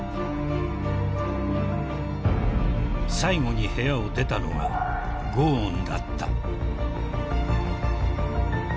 ［最後に部屋を出たのがゴーンだった］